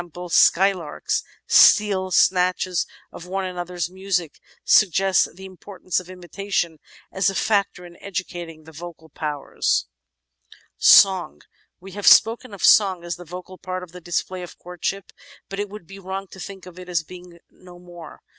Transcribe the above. skylarks, steal snatches of one another's music, suggests the importance of imitation as a factor in educating the vocal powers. Song We have spoken of song as the vocal part in the display of courtship, but it would be wrong to think of it as being no more.